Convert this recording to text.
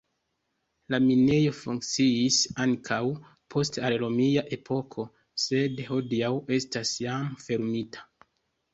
La minejo funkciis ankaŭ post al romia epoko, sed hodiaŭ estas jam fermita.